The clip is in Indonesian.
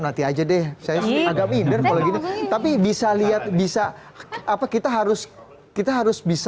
nanti aja deh saya agak minder kalau gini tapi bisa lihat bisa apa kita harus kita harus bisa